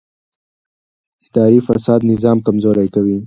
اداري فساد نظام کمزوری کوي